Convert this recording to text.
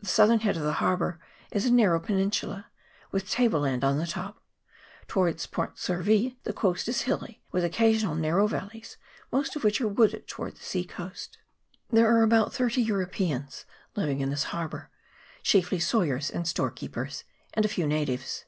The southern head of the harbour is a narrow peninsula, with table land on the top ; towards Point Surville the coast is hilly, with occasional narrow valleys, most of which are wooded towards the sea coast. There are about thirty Europeans living in this harbour, chiefly sawyers and storekeepers, and a few natives.